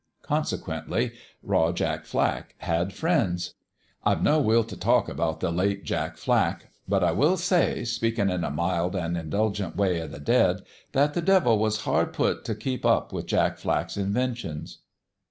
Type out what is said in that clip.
Consequently, Raw Jack Flack had friends. " I've no will t' talk about the late Jack Flack ; but I will say, speakin' in a mild an' indulgent way o' the dead, that the devil was hard put to it t' keep up with Jack Flack's inventions.